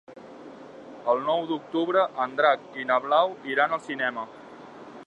El nou d'octubre en Drac i na Blau iran al cinema.